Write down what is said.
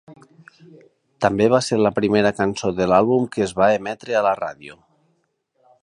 També va ser la primera cançó de l'àlbum que es va emetre a la ràdio.